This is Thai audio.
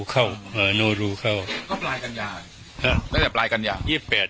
เข้าเฮอโนรูเข้าก็ปลายกันยาฮะตั้งแต่ปลายกันยายี่สิบแปด